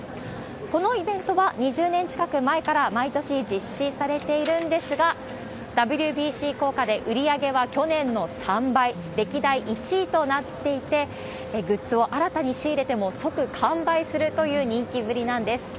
このイベントは２０年近く前から毎年実施されているんですが、ＷＢＣ効果で売り上げは去年の３倍、歴代１位となっていて、グッズを新たに仕入れても即完売するという人気ぶりなんです。